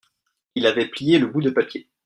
il avait plié le bout de papier.